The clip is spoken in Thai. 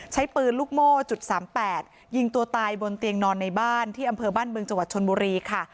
ใช้ปืนลูกโม่จุด๓๘ยิงตัวตายบนเตียงนอนในบ้านที่อำเภอบ้านบึงจังหวัดชนบุรีค่ะ